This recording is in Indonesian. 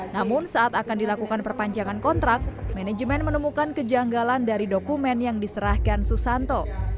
namun saat akan dilakukan perpanjangan kontrak manajemen menemukan kejanggalan dari dokumen yang diserahkan susanto